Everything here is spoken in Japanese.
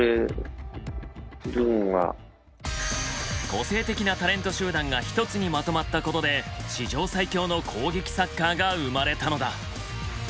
個性的なタレント集団が１つにまとまったことで史上最強の攻撃サッカーが生まれたのだ。